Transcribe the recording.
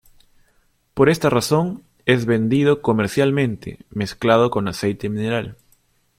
Por esta razón es vendido comercialmente mezclado con aceite mineral.